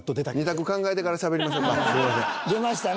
２択考えてからしゃべりましょかすいません。